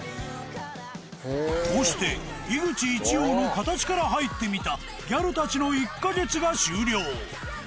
こうして樋口一葉の形から入ってみたギャルたちの１カ月が終了